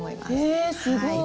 へえすごい。